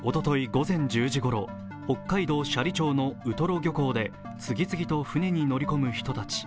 午前１０時ごろ、北海道斜里町のウトロ漁港で次々と船に乗り込む人たち。